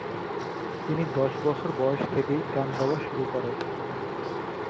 তিনি দশ বছর বয়স থেকেই গান গাওয়া শুরু করেন।